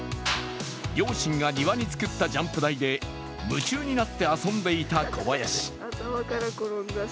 両親が庭に作ったジャンプ台で夢中になって遊んでいた小林。